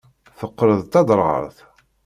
Teqqel d taderɣalt.